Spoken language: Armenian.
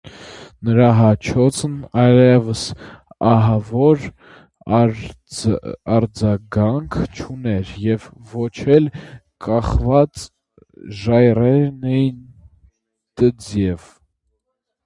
Նրա հաչոցն այլևս ահավոր արձագանք չուներ և ոչ էլ կախված ժայռերն էին տձև: